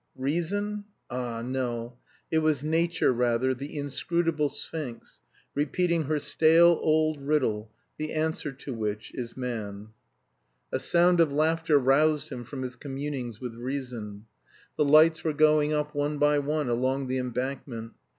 Reason? Ah, no! It was Nature rather, the inscrutable Sphinx, repeating her stale old riddle, the answer to which is Man. A sound of laughter roused him from his communings with Reason. The lights were going up one by one along the Embankment.